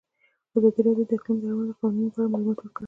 ازادي راډیو د اقلیم د اړونده قوانینو په اړه معلومات ورکړي.